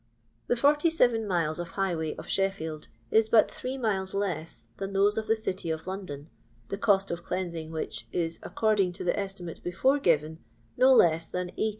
The 47 miles of highway of Sheffield is but three miles less than those of the city of London, the cost of cleansing which is, according to the estimate before given, no less than 18,000